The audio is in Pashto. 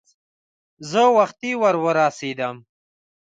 زه وختي ور ورسېدم.